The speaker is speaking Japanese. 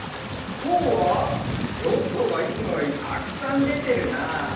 きょうはヨットがいつもよりたくさんでてるな。